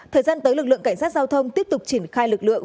thời gian tới lực lượng cảnh sát giao thông tiếp tục triển khai lực lượng